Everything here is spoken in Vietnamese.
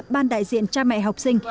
ban đại diện cha mẹ học sinh